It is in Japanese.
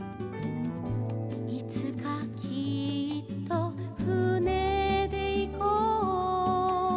「いつかきっとふねでいこう」